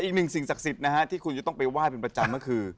สิ่งศักดิ์สิทธิ์นะฮะที่คุณจะต้องไปไหว้เป็นประจำก็คือ